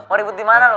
mau ribut dimana lo